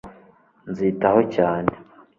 Nzitaho cyane